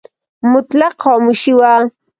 مطلق خاموشي وه .